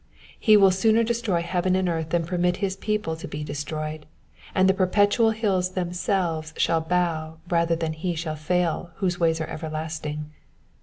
He will sooner destroy heaven and earth than permit his people to be destroyed, and the perpetual hills them selves shall bow rather than he shall fail whose ways are everlasting.